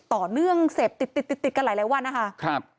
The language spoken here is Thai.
ต่อเนื่องเสพติดติดกันหลายวันนะคะ